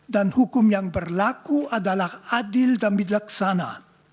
dan hukum yang berlaku adalah adil dan bijaksana